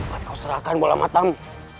maka kau serahkan bola matamu